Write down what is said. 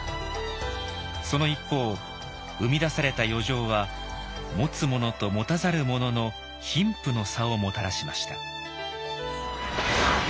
その一方生み出された余剰は持つ者と持たざる者の貧富の差をもたらしました。